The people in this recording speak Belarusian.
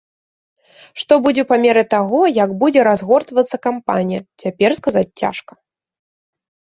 Што будзе па меры таго, як будзе разгортвацца кампанія, цяпер сказаць цяжка.